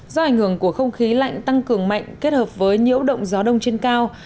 do ảnh hưởng của không khí lạnh tăng cường mạnh kết hợp với nhiễu động gió đông trên cao